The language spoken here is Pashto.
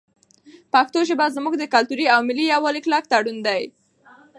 پښتو ژبه زموږ د کلتوري او ملي یووالي کلک تړون دی.